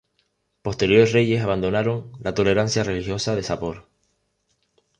Posteriores reyes abandonaron la tolerancia religiosa de Sapor.